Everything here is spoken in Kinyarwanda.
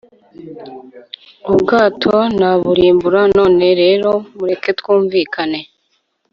Ubwato naburimbura None rero mureke twumvikane